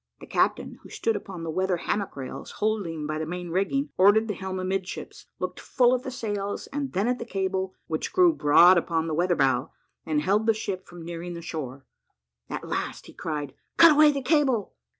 The captain, who stood upon the weather hammock rails, holding by the main rigging, ordered the helm amidships, looked full at the sails, and then at the cable, which grew broad upon the weather bow, and held the ship from nearing the shore. At last he cried, "Cut away the cable!"